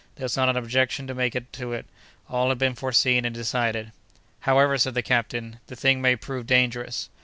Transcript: There was not an objection to make to it; all had been foreseen and decided. "However," said the captain, "the thing may prove dangerous."